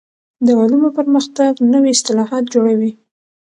د علومو پرمختګ نوي اصطلاحات جوړوي.